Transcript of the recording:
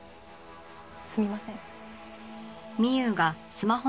すみません。